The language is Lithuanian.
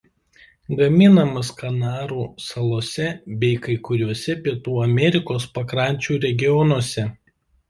Gaminamas Kanarų salose bei kai kuriuose Pietų Amerikos pakrančių regionuose.